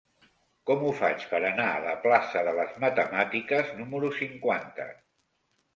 Com ho faig per anar a la plaça de les Matemàtiques número cinquanta?